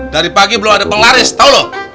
dari pagi belum ada penglaris tau lu